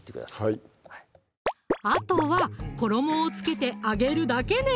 はいあとは衣をつけて揚げるだけね！